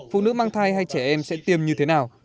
phụ nữ mang thai hay trẻ em sẽ tiêm như thế nào